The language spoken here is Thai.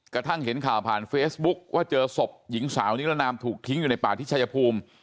กระทั่งเห็นข่าวผ่านเฟซบุ๊คว่าเจอศพหญิงสาวนิรนามถูกทิ้งอยู่ในป่าที่ชายภูมิ